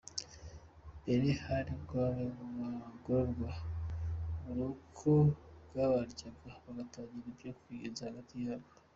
Mbere hari ubwo bamwe mu bagororwa uburoko bwabaryaga bagatangira ibyo kwiyenza hagati yabo.